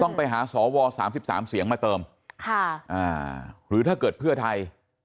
ต้องไปหาสอวอร์สามสิบสามเสียงมาเติมค่ะอ่าหรือถ้าเกิดเพื่อไทย